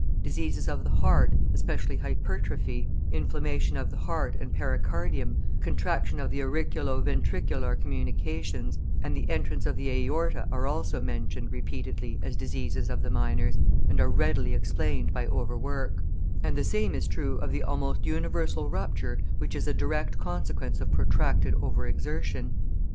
Diseases of the heart, especially hypertrophy, inflammation of the heart and pericardium, contraction of the auriculo ventricular communications and the entrance of the aorta are also mentioned repeatedly as diseases of the miners, and are readily explained by overwork; and the same is true of the almost universal rupture which is a direct consequence of protracted over exertion.